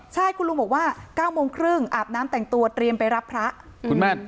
ใช่คุณลุงบอกว่า๙โมงครึ่งอาบน้ำแต่งตัวเตรียมไปรับพระคุณแม่